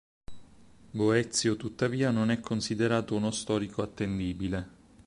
Boezio tuttavia non è considerato uno storico attendibile.